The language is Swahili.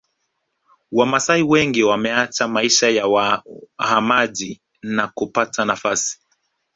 Wamasai wengi wameacha maisha ya wahamaji na kupata nafasi